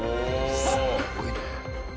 すごいね。